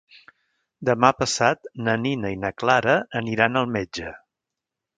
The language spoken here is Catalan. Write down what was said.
Demà passat na Nina i na Clara aniran al metge.